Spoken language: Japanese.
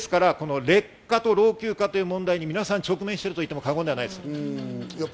ですから劣化と老朽化という問題に皆さん直面しているといっても過言ではないです。